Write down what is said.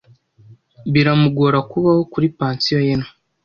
Biramugora kubaho kuri pansiyo ye nto.